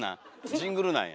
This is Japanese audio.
ジングルなんや。